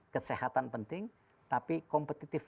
kesehatan penting tapi kompetitif